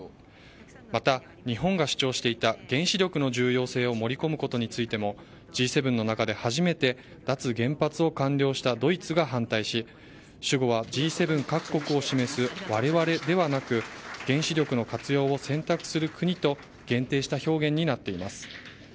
また、日本が主張していた原子力の重要性を盛り込むことについてもＧ７の中で初めて脱原発を完了したドイツが反対し主語はＧ７各国を示すわれわれではなく原子力の活用を選択する国と限定した表現になっています。